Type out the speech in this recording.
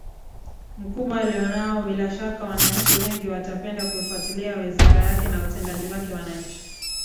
mkubwa alionao bila shaka wananchi wengi watapenda kuifuatilia wizara yake na utendaji wake wananchi